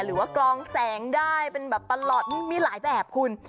กลองแสงได้เป็นแบบตลอดมีหลายแบบคุณ